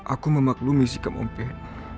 aku memaklumi sikap om pet